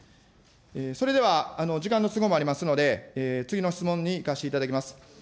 それでは、時間の都合もありますので、次の質問にいかせていただきます。